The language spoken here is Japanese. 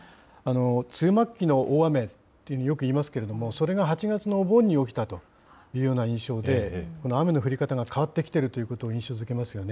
梅雨末期の大雨ってよくいいますけれども、それが８月のお盆に起きたというような印象で、この雨の降り方が変わってきているということを印象づけますよね。